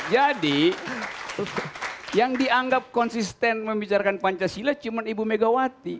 jadi yang dianggap konsisten membicarakan pancasila cuma ibu megawati